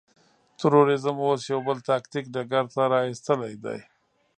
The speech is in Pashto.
تروريزم اوس يو بل تاکتيک ډګر ته را اېستلی دی.